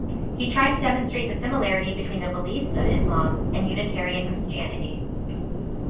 He tried to demonstrate the similarity between the beliefs of Islam and Unitarian Christianity.